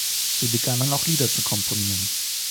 Sie begannen auch Lieder zu komponieren.